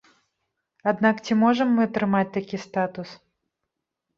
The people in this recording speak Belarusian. Аднак ці можам мы атрымаць такі статус?